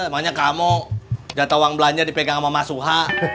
makanya kamu data uang belanja dipegang sama mas suha